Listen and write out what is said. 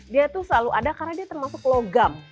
dia tuh selalu ada karena dia termasuk logam